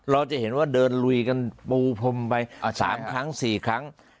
เราจะเห็นว่าเดินลุยกันปูพรมไป๓ครั้ง๔ครั้ง